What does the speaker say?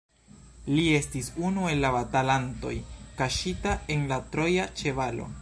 Li estis unu el la batalantoj kaŝita en la troja ĉevalo.